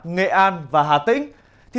nghệ an và hà tĩnh